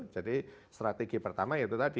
jadi strategi pertama itu tadi